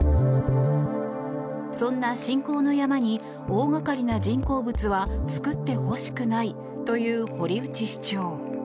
そんな信仰の山に大掛かりな人工物は造ってほしくないという堀内市長。